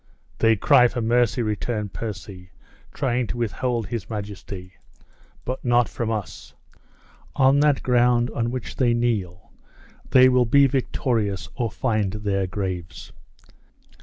"They cry for mercy!" returned Percy, trying to withhold his majesty, "but not from us. On that ground on which they kneel, they will be victorious or find their graves."